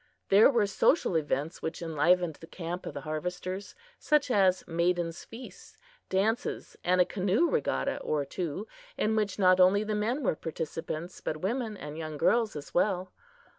There were social events which enlivened the camp of the harvesters; such as maidens' feasts, dances and a canoe regatta or two, in which not only the men were participants, but women and young girls as well.